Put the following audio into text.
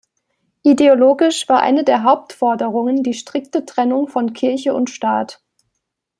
Ideologisch war eine der Hauptforderungen die strikte Trennung von Kirche und Staat.